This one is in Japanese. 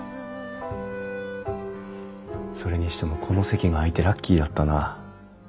それにしてもこの席が空いてラッキーだったな。